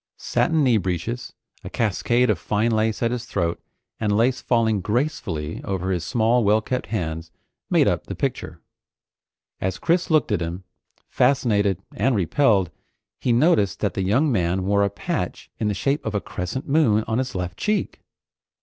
Satin knee breeches, a cascade of fine lace at his throat, and lace falling gracefully over his small well kept hands made up the picture. As Chris looked at him, fascinated and repelled, he noticed that the young man wore a patch in the shape of a crescent moon, on his left cheek.